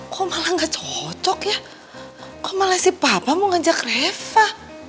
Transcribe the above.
kok malah gak cocok ya kok malah si papa mau ngajak reva